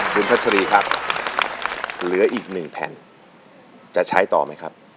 คุณพัชรีครับเหลืออีกหนึ่งแผ่นจะใช้ต่อไหมครับ